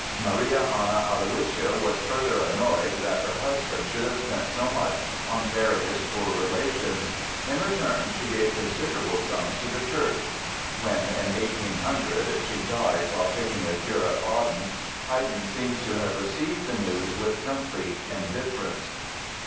_" Maria Anna Aloysia was further annoyed that her husband should have spent so much on various poor relations; in return, she gave considerable sums to the church. When in 1800 she died while taking a cure at Baden, Haydn seems to have received the news with complete indifference.